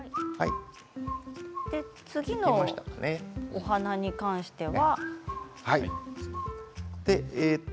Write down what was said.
次のお花に関しては？